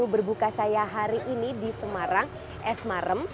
berbuka saya hari ini di semarang es marem